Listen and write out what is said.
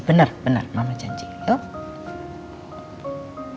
bener bener mama janji yuk